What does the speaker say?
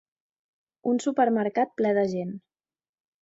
Un supermercat ple de gent.